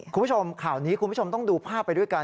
คุณผู้ชมข่าวนี้คุณผู้ชมต้องดูภาพไปด้วยกัน